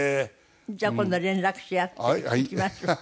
じゃあ今度連絡し合って行きましょう。